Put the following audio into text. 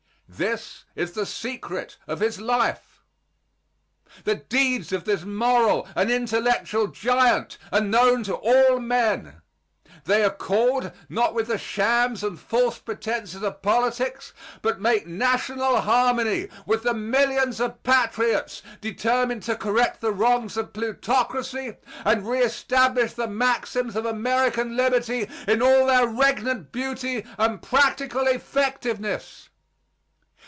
This is the secret of his life. The deeds of this moral and intellectual giant are known to all men. They accord, not with the shams and false pretences of politics, but make national harmony with the millions of patriots determined to correct the wrongs of plutocracy and reestablish the maxims of American liberty in all their regnant beauty and practical effectiveness.